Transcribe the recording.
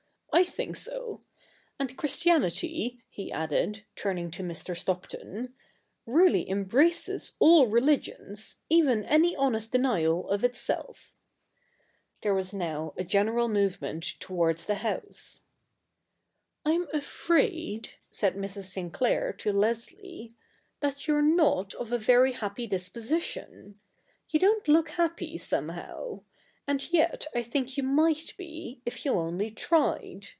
I think so. And Christianity,' he added, turning to Mr. Stockton, ' really embraces all religions, even any honest denial of itself.' There was now a general movement towards th^ house. 236 THE NEW REPUBLIC [bk. iv * I'm afraid,' said Mrs. Sinclair to Leslie, ' that you're not of a very happy disposition. You don't look happy, somehow. And yet I think you might be, if you only tried.